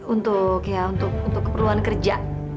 untuk ya untuk keperluan kerja